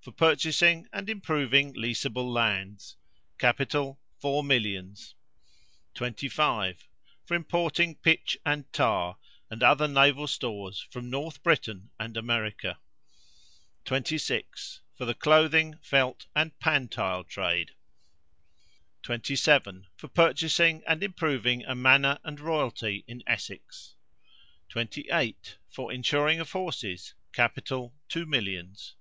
For purchasing and improving leaseable lands. Capital, four millions. 25. For importing pitch and tar, and other naval stores, from North Britain and America. 26. For the clothing, felt, and pantile trade. 27. For purchasing and improving a manor and royalty in Essex. 28. For insuring of horses. Capital, two millions.